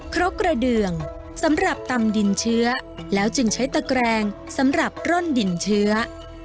ครกกระเดืองสำหรับตำดินเชื้อแล้วจึงใช้ตะแกรงสำหรับร่อนดินเชื้อ